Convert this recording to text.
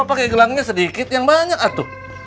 kok pake gelangnya sedikit yang banyak atul